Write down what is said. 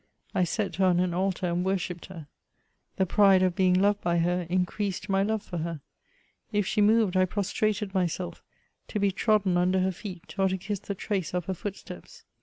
I set her on an altar, and worshipped her. The pride of being loved by her, increased my love for her. If she moved, I prostrated myself, to be trodden under her feet, or to kiss the trace of her footsteps.